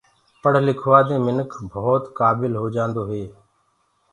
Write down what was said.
پڙه لکوآ دي منک ڀوت ڪآبل هوجآندو هي۔